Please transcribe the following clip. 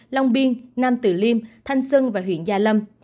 long biên nam tử liêm thanh xuân và huyện gia lâm